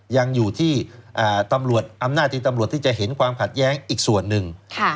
ยังอยู่ที่ตำรวจอำนาจที่ตำรวจที่จะเห็นความขัดแย้งอีกส่วนหนึ่ง